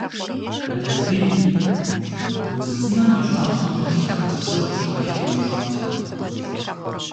Ӏэдэлбий, удз цӀынэм и щӀагъым щӀэлъ хъарбызыр къыщӀэхи упщӀатэ.